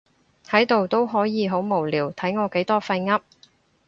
喺度都可以好無聊，睇我幾多廢噏